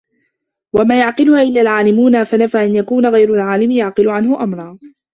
وَمَا يَعْقِلُهَا إلَّا الْعَالِمُونَ فَنَفَى أَنْ يَكُونَ غَيْرُ الْعَالِمِ يَعْقِلُ عَنْهُ أَمْرًا